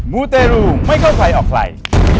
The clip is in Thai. มูเตรูไม่เข้าใครออกใคร